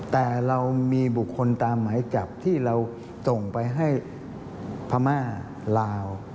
แต่เรามีบุคคลตามหมายจับที่เราส่งไปให้พม่าลาว